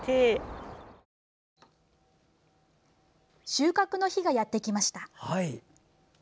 収穫の日がやってきました。